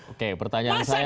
oke pertanyaan saya